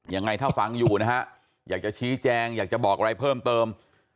ยังไงถ้าฟังอยู่นะฮะอยากจะชี้แจงอยากจะบอกอะไรเพิ่มเติม